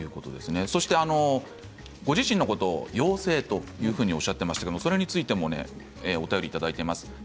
ご自身のことを妖精というふうにおっしゃっていましたけれどそれについてお便りいただいています。